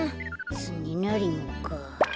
つねなりもか。